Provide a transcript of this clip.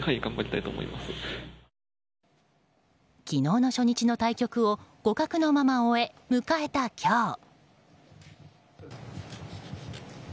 昨日の初日の対局を互角のまま終え、迎えた今日。